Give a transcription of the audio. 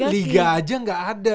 liga aja gak ada